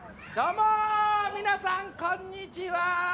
どうも皆さんこんにちは！